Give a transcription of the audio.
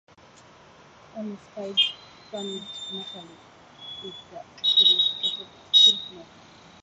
The only species farmed commercially is the domesticated silkmoth.